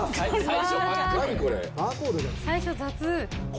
最初雑。